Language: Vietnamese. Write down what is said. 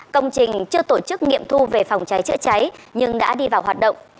công trình chưa tổ chức nghiệm thu về phòng trái chữa trái nhưng đã đi vào hoạt động